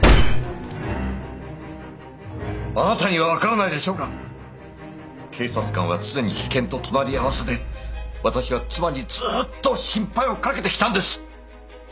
あなたには分からないでしょうが警察官は常に危険と隣り合わせで私は妻にずっと心配をかけてきたんです。